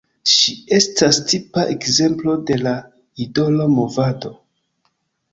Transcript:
Ŝi estas tipa ekzemplo de la idolo movado.